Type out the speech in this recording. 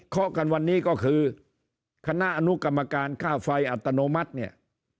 เขากันวันนี้ก็คือคณะอนุกรรมการค่าไฟอัตโนมัติเนี่ย